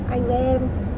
anh với em